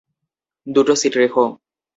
দুটো সিট রেখো।